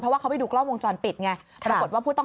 เข้าไปดูกล้อมวงจรปิด